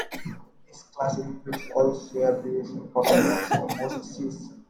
This class includes also the abbreviations for the names of most sees.